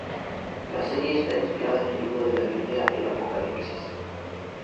La serie está inspirada en el libro de la Biblia el Apocalipsis.